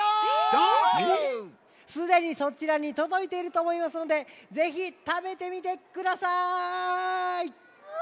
すでにそちらにとどいているとおもいますのでぜひたべてみてください！わ！